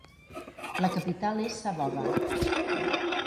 La capital és Saboba.